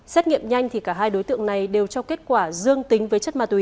xét nghiệm nhanh thì cả hai đối tượng này đều cho kết quả dương tính với chất ma túy